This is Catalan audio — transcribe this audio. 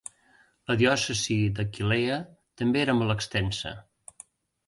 La diòcesi d'Aquileia també era molt extensa.